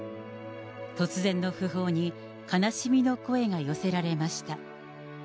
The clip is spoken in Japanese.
突然の訃報に悲しみの声が寄せられました。